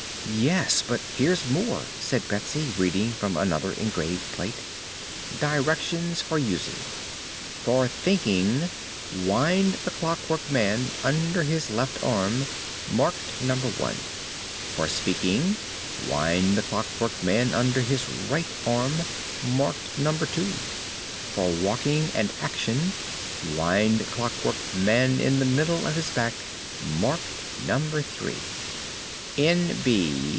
"Yes; but here's more," said Betsy, reading from another engraved plate: DIRECTIONS FOR USING: For THINKING: Wind the Clockwork Man under his left arm, (marked No. 1). For SPEAKING: Wind the Clockwork Man under his right arm, (marked No. 2). For WALKING and ACTION: Wind Clockwork Man in the middle of his back, (marked No. 3). N. B.